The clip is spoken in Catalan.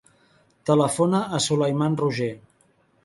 Telefona al Sulaiman Roger.